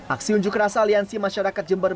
aksi unjuk rasa aliansi masyarakat jember